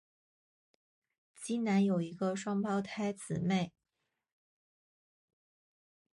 基南有一个双胞胎姊妹。